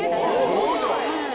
すごいじゃない！